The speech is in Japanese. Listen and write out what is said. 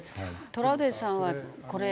トラウデンさんはこれ。